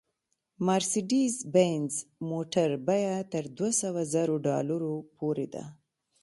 مارسېډیز بینز موټر بیه تر دوه سوه زرو ډالرو پورې ده